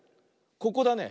ここだね。